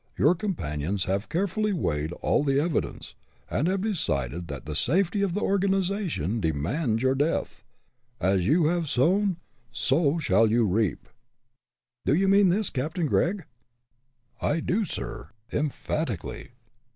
Your companions have carefully weighed all the evidence, and have decided that the safety of the organization demands your death. As you have sown, so shall you reap." "Do you mean this, Captain Gregg?" "I do, sir, emphatically."